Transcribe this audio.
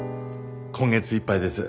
今月いっぱいです。